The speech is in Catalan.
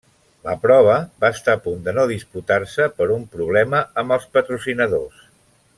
La prova va estar a punt de no disputar-se per un problema amb els patrocinadors.